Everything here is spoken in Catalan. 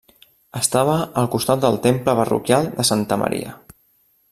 Estava al costat del temple parroquial de Santa Maria.